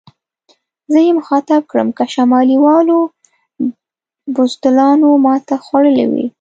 زه یې مخاطب کړم: که شمالي والو بزدلانو ماته خوړلې وي.